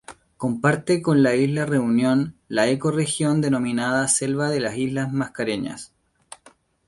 Comparte con la isla Reunión la ecorregión denominada Selva de las islas Mascareñas.